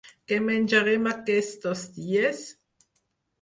Què menjarem aquests dos dies?